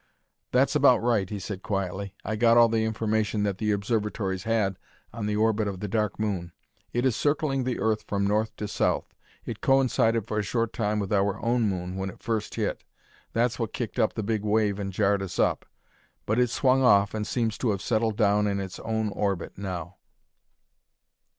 "That's about right," he said quietly. "I got all the information that the observatories had on the orbit of the Dark Moon. It is circling the Earth from north to south. It coincided for a short time with our own moon when it first hit; that's what kicked up the big wave and jarred us up. But it swung off and seems to have settled down in its own orbit now.